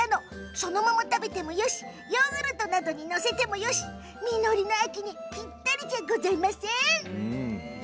そのまま食べてもよしヨーグルトなどに載せてもよし実りの秋にぴったりだと思わない？